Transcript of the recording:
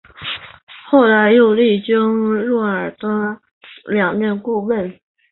后来又历经若尔丹两任顾问。